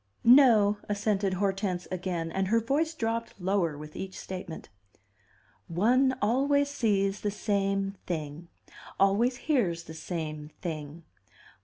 "No," assented Hortense, again, and her voice dropped lower with each statement. "One always sees the same thing. Always hears the same thing.